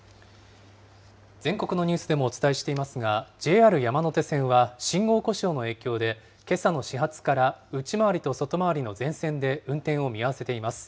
全国のニュースでもお伝えしていますが、ＪＲ山手線は、信号故障の影響でけさの始発から内回りと外回りの全線で運転を見合わせています。